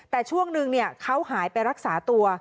แต่ช่วงนึงเขาหายไปรักษาตัว